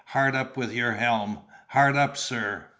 Hard up with your helm! Hard up, sir!"